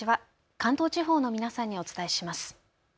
関東地方の皆さんにお伝えします。